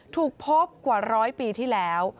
ถูกพบกว่าร้อยปีที่แล้ว